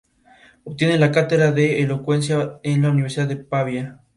Obtiene la cátedra de elocuencia en la Universidad de Pavía.